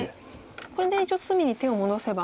これで一応隅に手を戻せば。